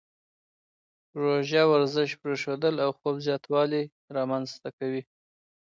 روزه ورزش پرېښودل او خوب زیاتوالی رامنځته کوي.